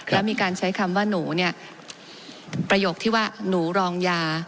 แล้วมีการใช้คำว่าหนูเนี่ยประโยคที่ว่าหนูรองยา